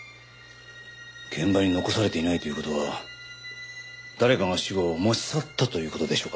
現場に残されていないという事は誰かが死後持ち去ったという事でしょうか？